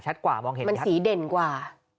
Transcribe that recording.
กว่ามองเห็นมันสีเด่นกว่า